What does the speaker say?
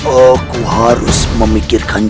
aku harus memikirkan